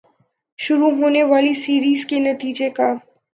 شروع ہونے والی سیریز کے نتیجے کا